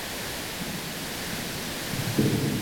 封装被视为是物件导向的四项原则之一。